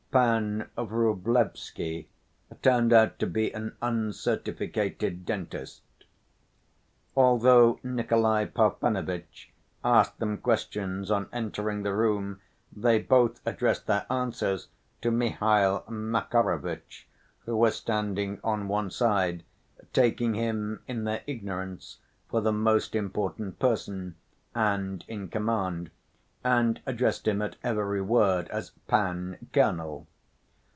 Pan Vrublevsky turned out to be an uncertificated dentist. Although Nikolay Parfenovitch asked them questions on entering the room they both addressed their answers to Mihail Makarovitch, who was standing on one side, taking him in their ignorance for the most important person and in command, and addressed him at every word as "Pan Colonel."